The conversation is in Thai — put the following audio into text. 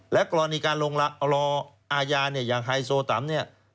และกรณีการรองรออาญาใหญ่อย่างไฮโซตำ